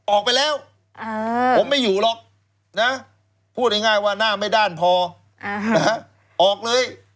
ออกไปแล้วผมไม่อยู่หรอกนะพูดง่ายว่าหน้าไม่ด้านพอออกเลย